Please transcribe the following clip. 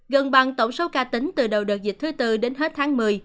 gần bằng tổng số ca tính từ đầu đợt dịch thứ tư đến hết tháng một mươi